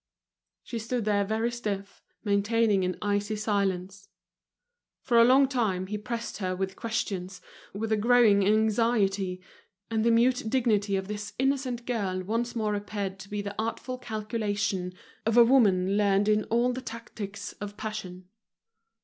She stood there very stiff, maintaining an icy silence. For a long time he pressed her with questions, with a growing anxiety; and the mute dignity of this innocent girl once more appeared to be the artful calculation of a woman learned in all the tactics of passion.